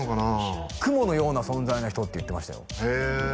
あ雲のような存在の人って言ってましたよ